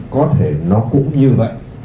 có thể nó cũng như vậy